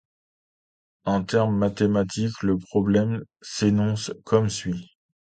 En termes mathématiques, le problème s'énonce comme suit.